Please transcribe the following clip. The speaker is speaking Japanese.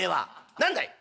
何だい？」。